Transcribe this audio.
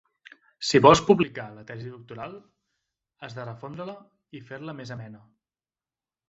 Si vols publicar la tesi doctoral, has de refondre-la i fer-la més amena.